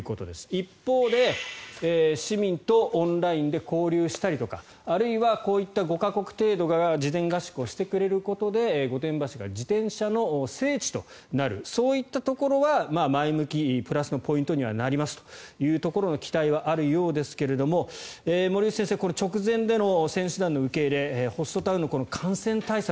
一方で市民とオンラインで交流したりとかあるいはこういった５か国程度が事前合宿をしてくれることで御殿場市が自転車の聖地となるそういったところは前向きプラスのポイントにはなりますというところの期待はあるようですけれども森内先生直前での選手団の受け入れホストタウンの感染対策